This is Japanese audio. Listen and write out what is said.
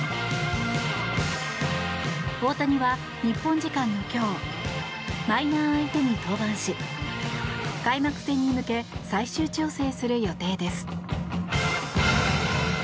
大谷は、日本時間の今日マイナー相手に登板し開幕戦に向け最終調整する予定です。